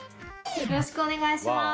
よろしくお願いします。